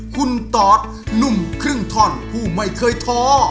คุณตอดหนุ่มครึ่งท่อนผู้ไม่เคยท้อ